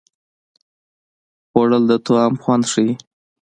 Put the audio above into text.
خوړل د طعام خوند ښيي